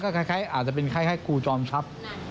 ก็อาจจะเป็นคล้ายคล้ายครูจอมชับ